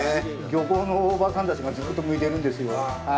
漁港のおばさんたちがずっとむいてるんですよ。